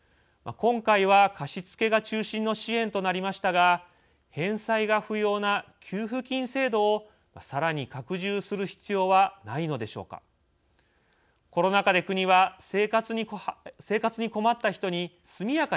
今回は貸付が中心の支援となりましたが返済が不要な給付金制度をさらに拡充する必要はないのでしょうか。